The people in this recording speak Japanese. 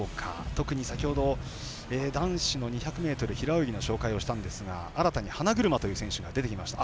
特に先ほど男子の２００ｍ平泳ぎの紹介をしたんですが新たに花車という選手が出てきました。